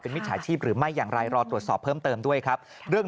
มิจฉาชีพหรือไม่อย่างไรรอตรวจสอบเพิ่มเติมด้วยครับเรื่อง